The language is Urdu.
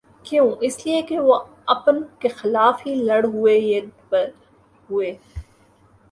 کیوں اس لیے کہہ وہ اپن کیخلاف ہی لڑ ہوئے ید ہوئے